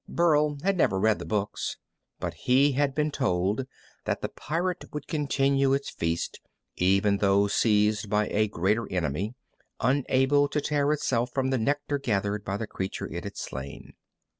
Burl had never read the books, but he had been told that the pirate would continue its feast even though seized by a greater enemy, unable to tear itself from the nectar gathered by the creature it had slain.